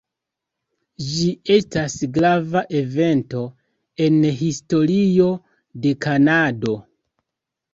Ĝi estas grava evento en historio de Kanado.